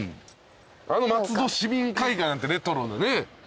あの松戸市民会館なんてレトロなね。